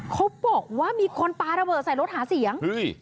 เขาบอกว่ามีคนปลาระเบิดใส่รถหาเสียง